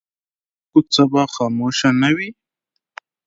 ایا ستاسو کوڅه به خاموشه نه وي؟